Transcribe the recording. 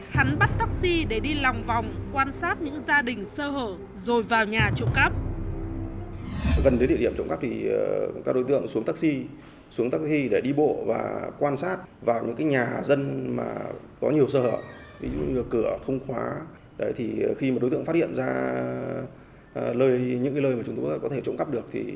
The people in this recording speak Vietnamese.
hắn bắt taxi để đi lòng vòng quan sát những gia đình sơ hở rồi vào nhà trộm cắp